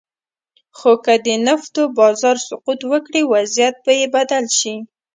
خو که د نفتو بازار سقوط وکړي، وضعیت به یې بدل شي.